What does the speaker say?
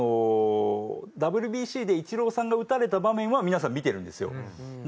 ＷＢＣでイチローさんが打たれた場面は皆さん見てるんですよ。